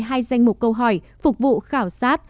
hai danh mục câu hỏi phục vụ khảo sát